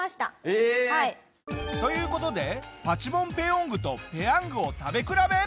えーっ！という事でパチモンペヨングとペヤングを食べ比べ。